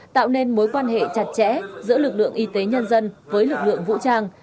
tạo nên mối quan hệ chặt chẽ giữa lực lượng y tế nhân dân với lực lượng vũ trang